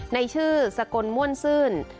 ในชื่อสกลม่วนซื่น